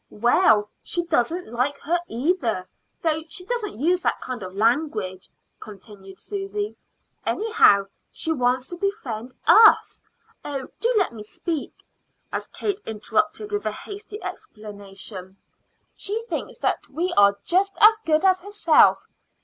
"Well; she doesn't like her either, though she doesn't use that kind of language," continued Susy. "Anyhow, she wants to befriend us Oh, do let me speak!" as Kate interrupted with a hasty exclamation. "She thinks that we are just as good as herself.